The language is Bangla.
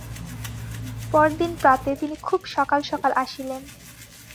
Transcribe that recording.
পরদিন প্রাতে তিনি খুব সকাল সকাল আসিলেন।